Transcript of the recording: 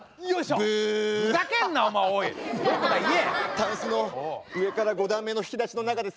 タンスの上から５段目の引き出しの中です。